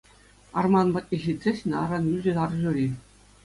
Арман патне ҫитсессӗн, аран юлчӗ арҫури.